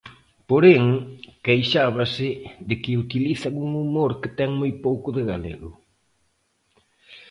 Porén, queixábase de que utilizan un humor que ten moi pouco de galego.